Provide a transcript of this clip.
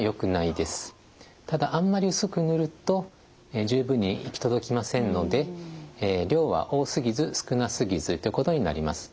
ただあんまり薄く塗ると十分に行き届きませんので量は多すぎず少なすぎずということになります。